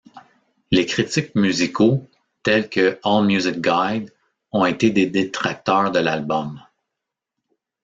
Les critiques musicaux tels que All Music Guide ont été des détracteurs de l'album.